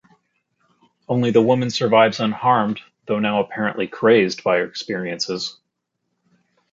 Only the woman survives unharmed though now apparently crazed by her experiences.